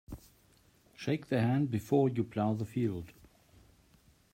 Shake the hand before you plough the field.